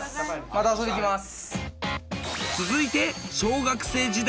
また遊びに来ます。